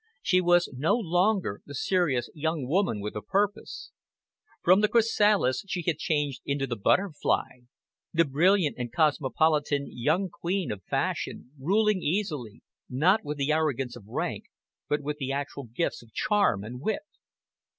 She was no longer the serious young woman with a purpose. From the chrysalis she had changed into the butterfly, the brilliant and cosmopolitan young queen of fashion, ruling easily, not with the arrogance of rank, but with the actual gifts of charm and wit.